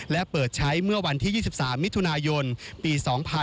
และเปิดใช้เมื่อวันที่๒๓มิถุนายนปี๒๕๖๒